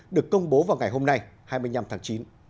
được công bố vào ngày hôm nay hai mươi năm tháng chín